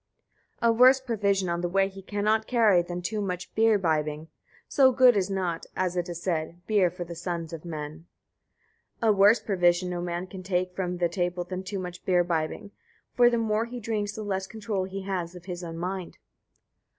11. A worse provision on the way he cannot carry than too much beer bibbing; so good is not, as it is said, beer for the sons of men. 12. A worse provision no man can take from table than too much beer bibbing: for the more he drinks the less control he has of his own mind.